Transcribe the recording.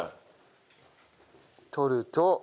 取ると。